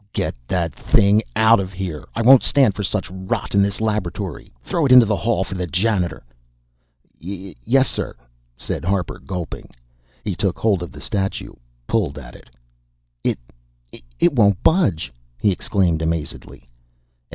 "Get that thing out of here! I won't stand for such rot in this laboratory. Throw it into the hall for the janitor!" "Ye yessir," said Harper, gulping. He took hold of the statue, pulled at it. "It it won't budge," he exclaimed amazedly. "Eh?